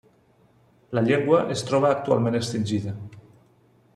La llengua es troba actualment extingida.